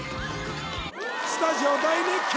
スタジオ大熱狂！